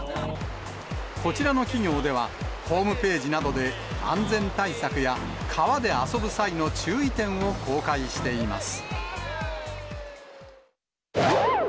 こちらの企業では、ホームページなどで、安全対策や、川で遊ぶ際の注意点を公開しています。